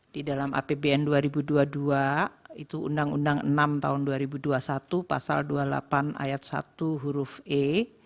di dalam apbn dua ribu dua puluh dua itu undang undang enam tahun dua ribu dua puluh satu pasal dua puluh delapan ayat satu huruf e